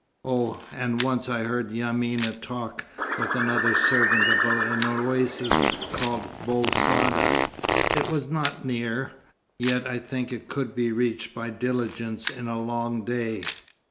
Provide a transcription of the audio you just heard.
Oh, and once I heard Yamina talk with another servant about an oasis called Bou Saada. It was not near, yet I think it could be reached by diligence in a long day."